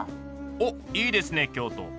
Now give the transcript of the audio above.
おっいいですね京都。